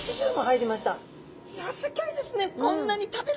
いやすギョいですね。